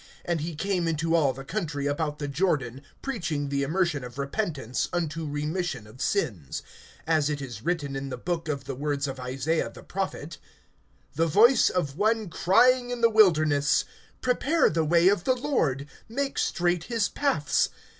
(3)And he came into all the country about the Jordan, preaching the immersion of repentance, unto remission of sins, (4)as it is written in the book of the words of Isaiah the prophet: The voice of one crying in the wilderness, Prepare the way of the Lord, Make straight his paths.